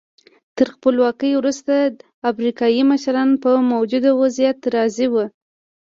تر خپلواکۍ وروسته افریقایي مشران په موجوده وضعیت راضي وو.